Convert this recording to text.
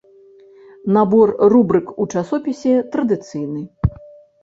Набор рубрык у часопісе традыцыйны.